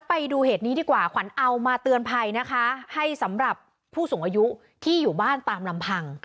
ไปดูเหตุนี้ดีกว่าขวัญเอามาเตือนภัยนะคะให้สำหรับผู้สูงอายุที่อยู่บ้านตามลำพัง